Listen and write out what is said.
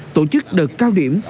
tổ chức đợt cao điểm